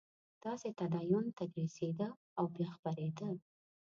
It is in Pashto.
داسې تدین تدریسېده او بیا خپرېده.